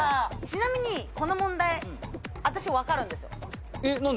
ちなみにこの問題私分かるんですよえ